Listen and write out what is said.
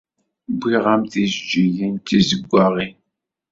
Wwiɣ-am-d tjeǧǧigin d tizeggaɣin.